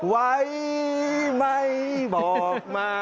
ไว่มัยบอกมา